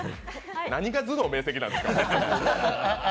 何が頭脳明晰なんですか。